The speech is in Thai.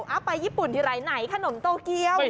เอาไปญี่ปุ่นทีไรไหนขนมโตเกียว